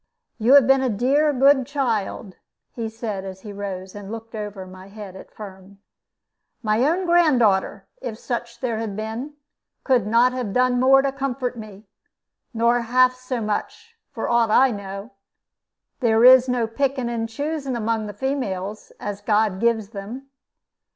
"You have been a dear good child," he said, as he rose, and looked over my head at Firm. "My own granddarter, if such there had been, could not have done more to comfort me, nor half so much, for aught I know. There is no picking and choosing among the females, as God gives them.